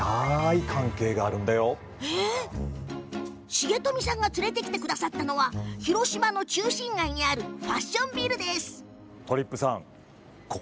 重富さんが連れてきてくださったのは広島の中心街にあるファッションビルです。